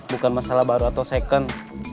bukan masalah baru atau second